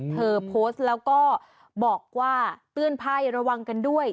เธอโพสต์แล้วก็บอกว่าเตือนภัยระวังกันด้วย